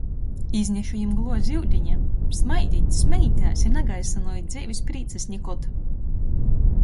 Iznešu jim gluozi iudiņa... Smaidit, smejitēs i nagaisynojit dzeivis prīcys nikod!